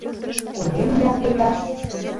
Кузе лӱҥгалт кечат